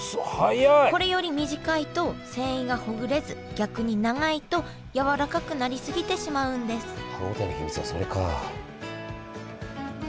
これより短いと繊維がほぐれず逆に長いとやわらかくなりすぎてしまうんです